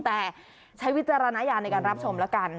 แต่ใช้วิจารณญาณในการรับชมแล้วกัน